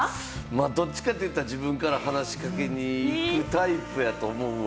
どっちか言うたら自分から話しかけに行くタイプやとは思うわ。